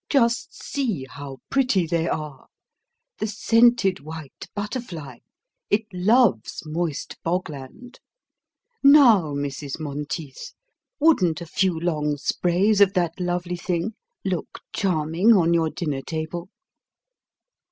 "Just see how pretty they are! The scented white butterfly! It loves moist bogland. Now, Mrs. Monteith, wouldn't a few long sprays of that lovely thing look charming on your dinner table?"